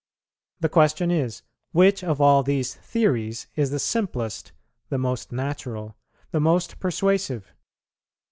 The question is, which of all these theories is the simplest, the most natural, the most persuasive.